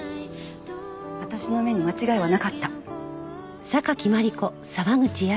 私の目に間違いはなかった。